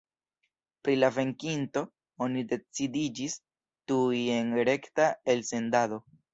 Pri la venkinto oni decidiĝis tuj en rekta elsendado.